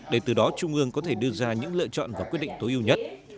để từ đó trung ương có thể đưa ra những lựa chọn và quyết định tối ưu nhất